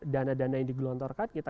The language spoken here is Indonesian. dana dana yang digelontorkan kita